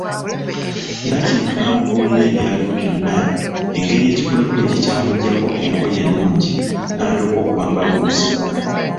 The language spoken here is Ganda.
Nakintu n'amubuulira ebyaliwo byonna; engeri ekikulekule gye kyamuggyako engoye ennungi n'atuuka okwambala obuziina.